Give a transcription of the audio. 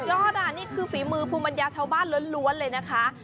ยอดอ่ะนี่คือฝีมือภูมิปัญญาชาวบ้านล้วนเลยนะคะ